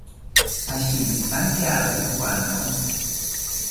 Ashintzitantyawori owanawontzi